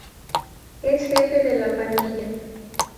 Es jefe de la pandilla.